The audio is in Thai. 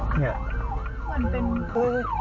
ตำรวจ